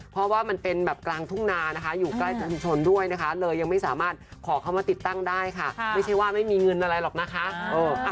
เพราะว่ามันเป็นแบบกลางทุ่งนานะคะอยู่ใกล้สุดชนด้วยนะคะเลยยังไม่สามารถขอเขามาติดตั้งได้ค่ะ